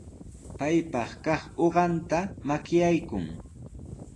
Paypaq kaq uqanta makaykuy.